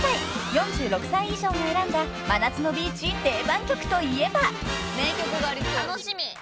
［４６歳以上が選んだ真夏のビーチ定番曲といえば］